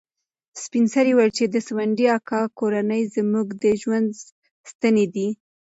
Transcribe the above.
سپین سرې وویل چې د ځونډي اکا کورنۍ زموږ د ژوند ستنې دي.